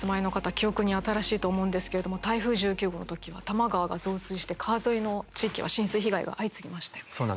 記憶に新しいと思うんですけれど台風１９号の時は多摩川が増水して川沿いの地域は浸水被害が相次ぎましたよね。